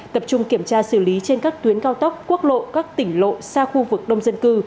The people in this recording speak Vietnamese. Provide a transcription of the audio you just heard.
tập trung kiểm tra xử lý trên các tuyến cao tốc quốc lộ các tỉnh lộ xa khu vực đông dân cư